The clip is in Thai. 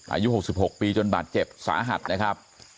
อายุ๖๖ปีจนบาดเจ็บสาหัสนะครับ